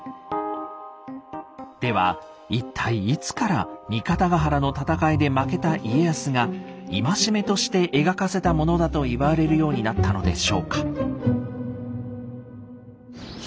では一体いつから三方ヶ原の戦いで負けた家康が戒めとして描かせたものだと言われるようになったのでしょうか？